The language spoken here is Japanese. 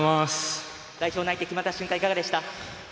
代表内定決まった瞬間いかがでした？